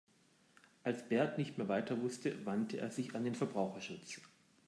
Als Bert nicht mehr weiter wusste, wandte er sich an den Verbraucherschutz.